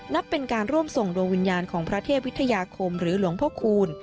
นับเป็นการร่วมส่งดวงวิญญาณของพระเทพวิทยาคมหรือหลวงพ่อคูณ